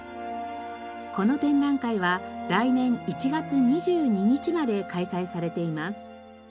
この展覧会は来年１月２２日まで開催されています。